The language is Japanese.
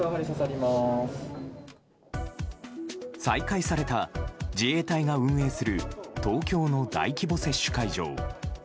再開された自衛隊が運営する東京の大規模接種会場。